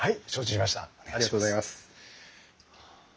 ありがとうございます。